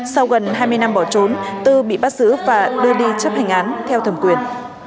sau gần hai mươi năm bỏ trốn tư bị bắt giữ và đưa đi chấp hành án theo thẩm quyền